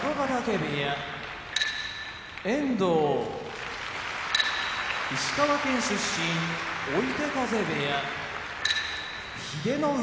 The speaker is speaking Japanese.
部屋遠藤石川県出身追手風部屋英乃海